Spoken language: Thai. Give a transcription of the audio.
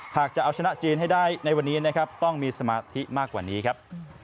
หากจะเอาชนะจีนให้ได้ในวันนี้นะครับต้องมีสมาธิมากกว่านี้ครับ